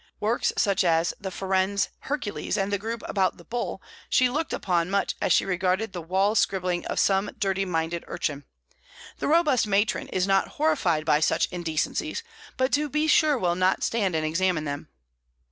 Works such as the Farnese Hercules and the group about the Bull she looked upon much as she regarded the wall scribbling of some dirty minded urchin; the robust matron is not horrified by such indecencies, but to be sure will not stand and examine them.